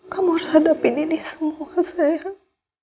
kamu harus hadapin ini semua sayang